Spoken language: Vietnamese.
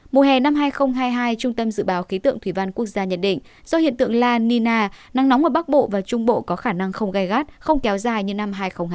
mùa hè năm hai nghìn hai mươi hai trung tâm dự báo khí tượng thủy văn quốc gia nhận định do hiện tượng la nina nắng nóng ở bắc bộ và trung bộ có khả năng không gai gắt không kéo dài như năm hai nghìn hai mươi hai